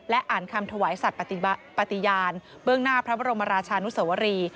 อ่านคำถวายสัตว์ปฏิญาณเบื้องหน้าพระบรมราชานุสวรี